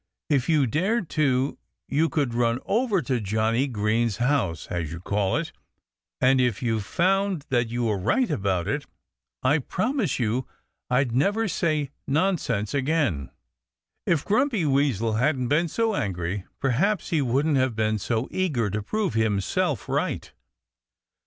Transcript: "If you dared to you could run over to Johnnie Green's house (as you call it); and if you found that you were right about it I promise you I'd never say 'Nonsense' again." If Grumpy Weasel hadn't been so angry perhaps he wouldn't have been so eager to prove himself right.